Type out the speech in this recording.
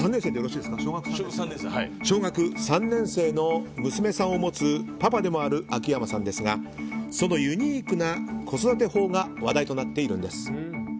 小学３年生の娘さんを持つパパでもある秋山さんですがそのユニークな子育て法が話題となっているんです。